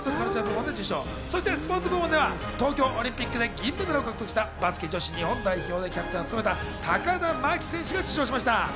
またスポーツ部門では東京オリンピックで銀メダルを獲得したバスケ女子日本代表でキャプテンを務めた高田真希選手が受賞しました。